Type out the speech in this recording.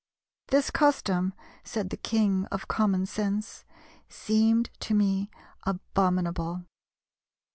"This custom," said the King of Common Sense, "seemed to me abominable."